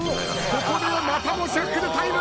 ここでまたもシャッフルタイム！